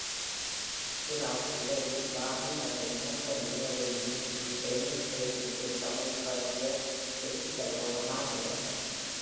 ஜிரார்ட் விரைவில் பாபி மற்றும் நோட்டன் இருவரையும் விஞ்சி டென்னிட் ரேசிங்கின் சமீபத்திய வெற்றிக் கதையாக மாறுகிறார்.